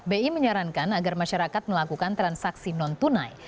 bi menyarankan agar masyarakat melakukan transaksi non tunai